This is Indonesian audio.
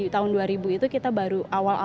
tahun dua ribu itu kita baru awal